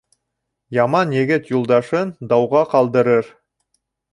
Яман егет юлдашын дауға ҡалдырыр.